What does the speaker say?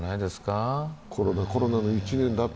コロナ、コロナの１年だった。